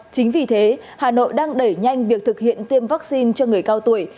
chính vì thế hà nội đang đẩy nhanh việc thực hiện tiêm vaccine cho người cao tuổi